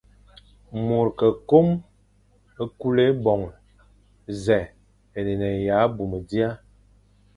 Môr ke kôm kul ébôñe, nzè e ya abmum dia.